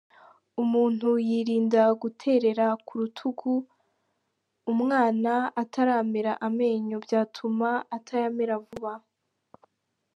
Umuntu yirinda guterera ku rutugu umwana utaramera amenyo, byatuma atayamera vuba.